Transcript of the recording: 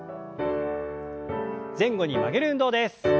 前後に曲げる運動です。